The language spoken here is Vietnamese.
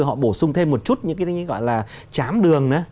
họ bổ sung thêm một chút những cái gọi là chám đường